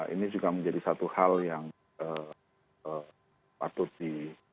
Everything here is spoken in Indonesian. ini juga menjadi satu hal yang patut di